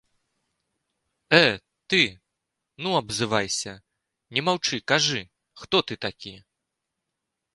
Э ты, ну абзывайся, не маўчы, кажы, хто ты такі?!